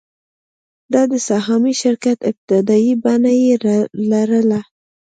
دا د سهامي شرکت ابتدايي بڼه یې لرله.